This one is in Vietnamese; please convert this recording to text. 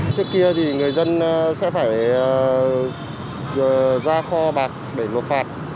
trước kia thì người dân sẽ phải ra kho bạc để nộp phạt